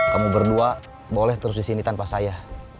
kamu berdua boleh terus di sini tanpa saya